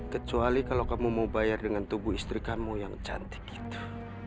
kecuali kalau kamu mau bayar dengan tubuh istri kamu yang cantik itu